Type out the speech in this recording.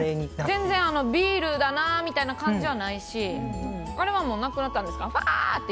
全然ビールだなみたいな感じはないしあれはもうなくなったんですか？